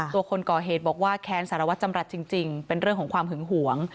คนก่อเหตุบอกว่าแค้นสารวัตรจำรัฐจริงเป็นเรื่องของความหึงหวง